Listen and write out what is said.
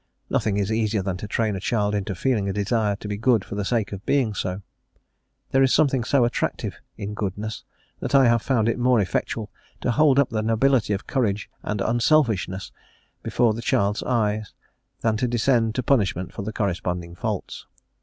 Nothing is easier than to train a child into feeling a desire to be good for the sake of being so. There is something so attractive in goodness, that I have found it more effectual to hold up the nobility of courage and unselfishness before the child's eyes, than to descend to punishment for the corresponding faults.